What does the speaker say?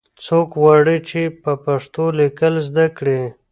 څوک غواړي چې په پښتو لیکل زده کړي؟